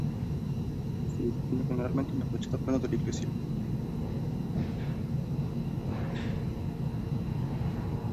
Se dispone generalmente en la fachada plana de la iglesia.